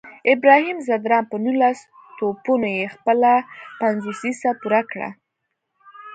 ابراهیم ځدراڼ په نولس توپونو یې خپله پنځوسیزه پوره کړه